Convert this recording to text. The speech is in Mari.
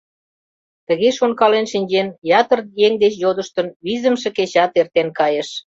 Тыге шонкален шинчен, ятыр еҥ деч йодыштын, визымше кечат эртен кайыш.